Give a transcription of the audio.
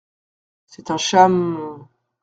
C’est un cham…